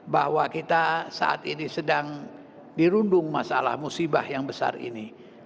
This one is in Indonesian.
bahwa kita saat ini sedang dirundung masalah musibah yang besar ini